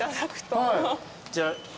じゃあ。